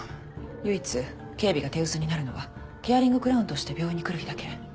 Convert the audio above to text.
唯一警備が手薄になるのはケアリングクラウンとして病院に来る日だけ。